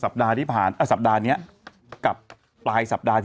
ไม่ได้ไม่ได้หกแสนแล้วพี่หายไปเลยนะ